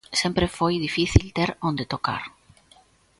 Sempre foi difícil ter onde tocar.